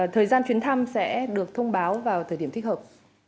thời gian chuyến thăm sẽ được thông báo vào thời điểm thích hợp